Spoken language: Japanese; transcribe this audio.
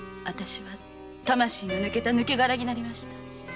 あたしは魂の抜けた抜け殻になりました。